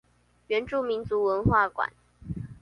原住民族文化館